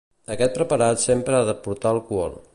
Aquest preparat sempre ha de portar alcohol.